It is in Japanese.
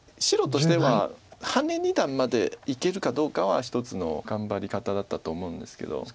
白としてはハネ二段までいけるかどうかは一つの頑張り方だったと思うんですけど。